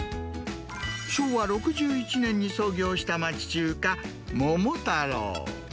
昭和６１年に創業した町中華、桃太楼。